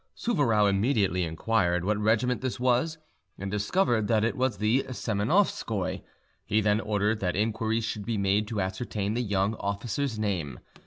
Souvarow immediately inquired what regiment this was, and discovered that it was the Semenofskoi; he then ordered that inquiries should be made to ascertain the young officer's name.